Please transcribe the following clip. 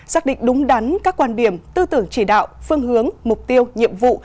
xác định đúng đắn các quan điểm tư tưởng chỉ đạo phương hướng mục tiêu nhiệm vụ